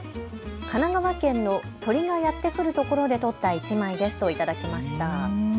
神奈川県の鳥がやって来るところで撮った１枚ですといただきました。